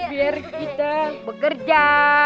biar kita bekerja